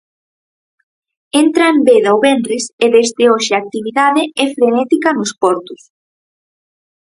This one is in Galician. Entra en veda o venres e desde hoxe a actividade é frenética nos portos.